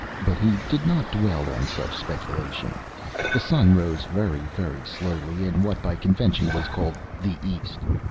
But he did not dwell on such speculation. The sun rose very, very slowly in what by convention was called the east.